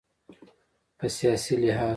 په سیاسي لحاظ